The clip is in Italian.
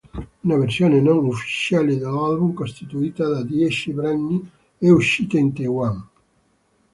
Una versione non ufficiale dell'album, costituita da dieci brani, è uscita in Taiwan.